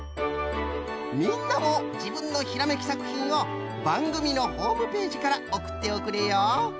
みんなもじぶんのひらめきさくひんをばんぐみのホームページからおくっておくれよ。